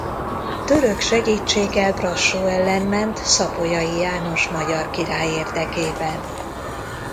Török segítséggel Brassó ellen ment Szapolyai János magyar király érdekében.